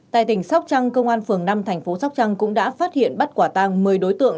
tại tỉnh sóc trăng công an phường năm tp sóc trăng cũng đã phát hiện bắt quả tăng một mươi đối tượng